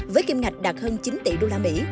với kim ngạch đạt hơn chín tỷ usd